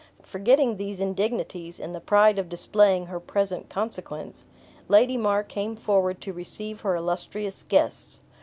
Forgetting these indignities, in the pride of displaying her present consequence, Lady Mar came forward to receive her illustrious guests.